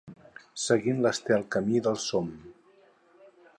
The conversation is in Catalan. Seguint l’estel camí del som.